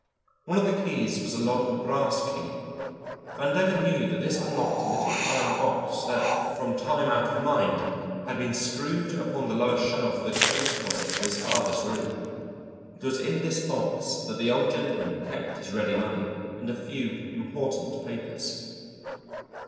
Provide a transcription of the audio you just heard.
One of the keys was a long brass key. Vandover knew that this unlocked a little iron box that from time out of mind had been screwed upon the lower shelf of the clothes closet in his father's room. It was in this box that the Old Gentleman kept his ready money and a few important papers.